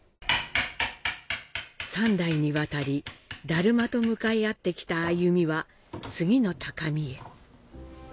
三代にわたり達磨と向かい合ってきた歩みは、次の高みへ。